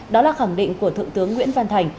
đó là khẳng định của thượng tướng nguyễn văn thành